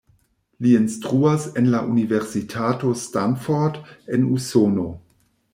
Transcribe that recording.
Li instruas en la Universitato Stanford en Usono.